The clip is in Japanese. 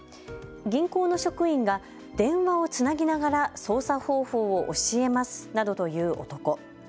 銀行の職員が電話をつなぎながら操作方法を教えますなどと言う男。